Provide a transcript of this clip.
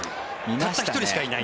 たった１人しかいない。